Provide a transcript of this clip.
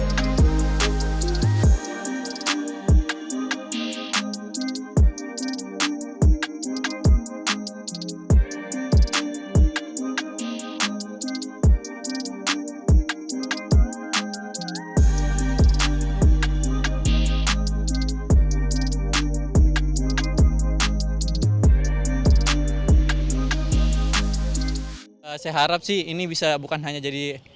saya harap sih ini bisa bukan hanya jadi